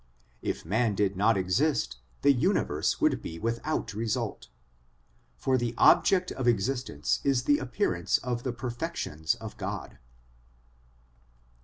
If man did not exist, the universe would be without result, for the object of existence is the appearance of the perfections of God.